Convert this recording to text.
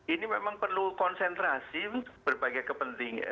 ini memang perlu konsentrasi berbagai kepentingan